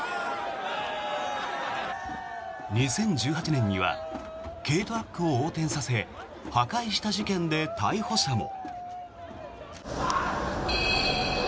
２０１８年には軽トラックを横転させ破壊した事件で逮捕者も。